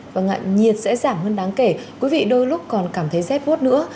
vâng ạ nhiệt sẽ giảm hơn đáng kể quý vị đôi lúc còn cảm thấy rét bút nữa